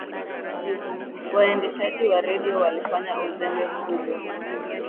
waendeshaji wa redio walifanya uzembe mkubwa